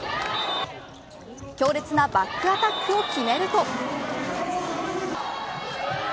強烈なバックアタックを決めると。